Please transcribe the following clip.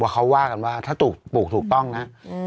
เขาว่ากันว่าถ้าปลูกถูกต้องนะ